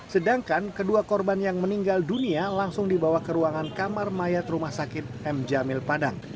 sedangkan kedua korban yang meninggal dunia langsung dibawa ke ruangan kamar mayat rumah sakit m jamil padang